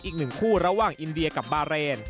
อีกหนึ่งคู่ระหว่างอินเดียกับบาเรน